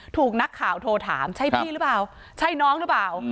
ถูกนักข่าวโทรถามใช่พี่หรือเปล่าใช่น้องหรือเปล่า